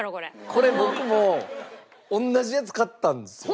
これ僕も同じやつ買ったんですよ。